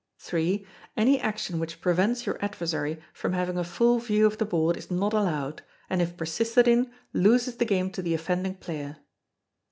iii. Any action which prevents your adversary from having a full view of the board is not allowed, and if persisted in, loses the game to the offending player.